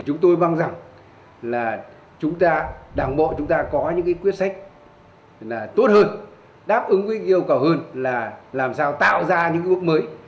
chúng tôi mong rằng là chúng ta đảng bộ chúng ta có những quyết sách tốt hơn đáp ứng với yêu cầu hơn là làm sao tạo ra những bước mới